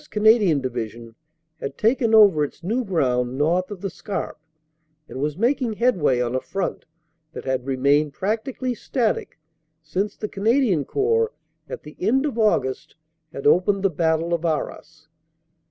Canadian Division had taken over its new ground north of the Scarpe and was making headway on a front that had remained practically static since 326 OPERATIONS: OCT. 6 16 327 the Canadian Corps at the end of August had opened the battle of Arras.